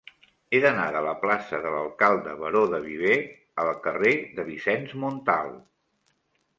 He d'anar de la plaça de l'Alcalde Baró de Viver al carrer de Vicenç Montal.